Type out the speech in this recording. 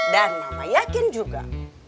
dan mama yakin juga